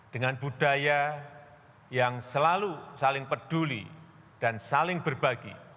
dengan budaya yang selalu saling peduli dan saling berbagi